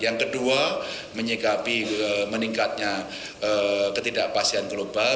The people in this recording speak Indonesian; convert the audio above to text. yang kedua menyikapi meningkatnya ketidakpastian global